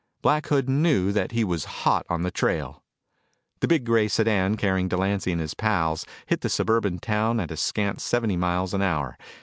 Black Hood knew that he was hot on the trail. The big gray sedan carrying Delancy and his pals, hit the suburban town at a scant seventy miles an hour.